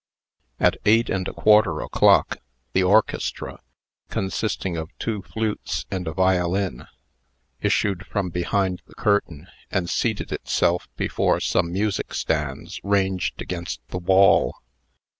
At eight and a quarter o'clock, the orchestra, consisting of two flutes and a violin, issued from behind the curtain, and seated itself before some music stands ranged against the wall.